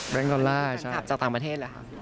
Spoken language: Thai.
แปลงดอลลาร์ใช่คันนี้เป็นแปลงคลับจากต่างประเทศหรือ